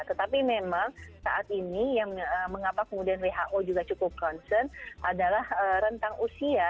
tetapi memang saat ini yang mengapa kemudian who juga cukup concern adalah rentang usia